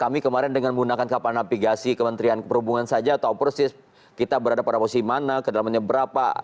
kami kemarin dengan menggunakan kapal navigasi kementerian perhubungan saja tahu persis kita berada pada posisi mana kedalamannya berapa